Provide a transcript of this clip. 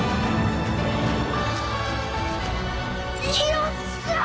よっしゃ！